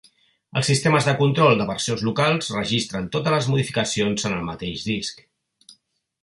Els sistemes de control de versions locals registren totes les modificacions en el mateix disc.